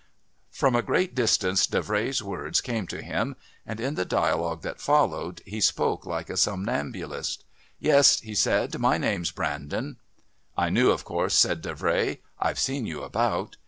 From a great distance Davray's words came to him, and in the dialogue that followed he spoke like a somnambulist. "Yes," he said, "my name's Brandon." "I knew, of course," said Davray. "I've seen you about."